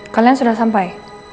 kalian sudah sampai